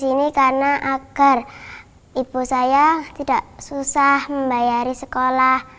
saya ingin di sini karena agar ibu saya tidak susah membayari sekolah